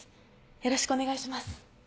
よろしくお願いします。